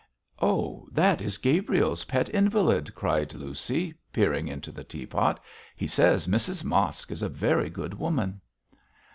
'Oh, that is Gabriel's pet invalid,' cried Lucy, peering into the teapot; 'he says Mrs Mosk is a very good woman.'